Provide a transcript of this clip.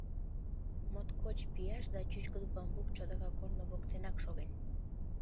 Моткоч вияш да чӱчкыдӧ бамбук чодыра корно воктенак шоген.